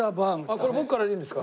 これ僕からでいいんですか？